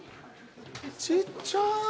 ちっちゃい。